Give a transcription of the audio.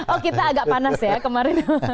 oh kita agak panas ya kemarin